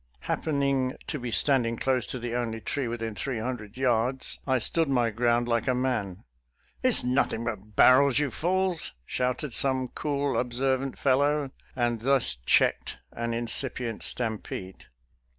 Hap pening to be standing close to the only tree within three hundred yards, I stood my ground like a man. "It's nothing but barrels, you fools !" shouted some cool, observant fellow, and thus checked an incipient stampede.